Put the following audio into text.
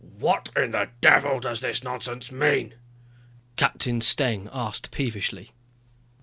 "What in the devil does this nonsense mean?" Captain Steng asked peevishly.